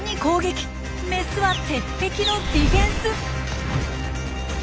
メスは鉄壁のディフェンス！